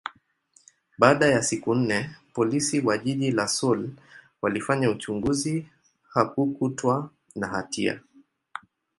baada ya siku nne, Polisi wa jiji la Seoul walifanya uchunguzi, hakukutwa na hatia.